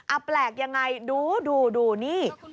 อ่ะแปลกยังไงดูนี่